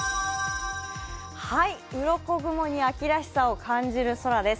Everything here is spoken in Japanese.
うろこ雲に秋らしさを感じる空です。